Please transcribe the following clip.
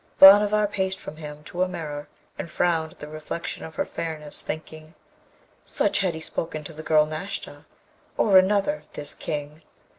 Bhanavar paced from him to a mirror, and frowned at the reflection of her fairness, thinking, 'Such had he spoken to the girl Nashta, or another, this King!'